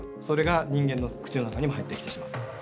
それが人間の口の中にも入ってきてしまう。